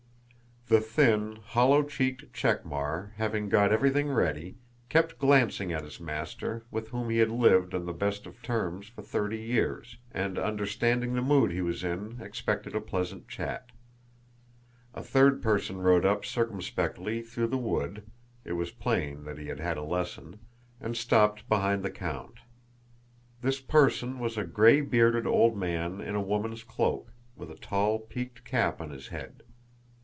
The thin, hollow cheeked Chekmár, having got everything ready, kept glancing at his master with whom he had lived on the best of terms for thirty years, and understanding the mood he was in expected a pleasant chat. A third person rode up circumspectly through the wood (it was plain that he had had a lesson) and stopped behind the count. This person was a gray bearded old man in a woman's cloak, with a tall peaked cap on his head.